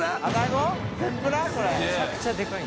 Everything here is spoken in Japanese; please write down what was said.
めちゃくちゃでかい。